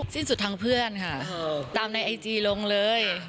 สิ้นสุดทางเพื่อนค่ะตามในไอจีลงเลย